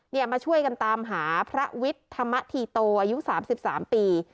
มาช่วยกันตามหาพระวิทธรรมธีโตอายุ๓๓ปี